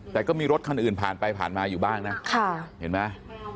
แต่ก็มีรถคันอื่นผ่านไปผ่านมาอยู่บ้างนะเห็นไหม